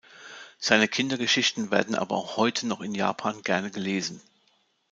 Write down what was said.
Seine Kindergeschichten werden aber auch heute noch in Japan gerne gelesen.